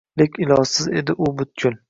Lek ilojsiz edi u butkul